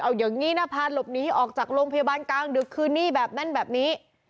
เอาอย่างนี้นะพาหลบหนีออกจากโรงพยาบาลกลางดึกคืนนี้แบบนั้นแบบนี้